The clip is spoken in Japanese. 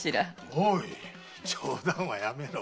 おい冗談はやめろ。